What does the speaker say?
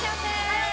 はい！